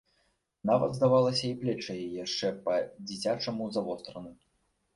Нават, здавалася, і плечы яе яшчэ па-дзіцячаму завостраны.